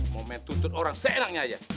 mau men tuntut orang seenaknya aja